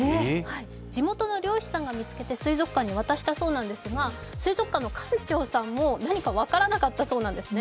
地元の漁師さんが見つけて水族館に渡したそうなんですが、水族館の館長さんも何か分からなかったんですね。